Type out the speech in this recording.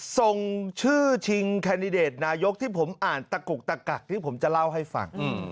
ส่งชื่อชิงแคนดิเดตนายกที่ผมอ่านตะกุกตะกักที่ผมจะเล่าให้ฟัง